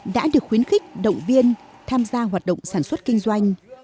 đã được khuyến khích động viên tham gia hoạt động sản xuất kinh doanh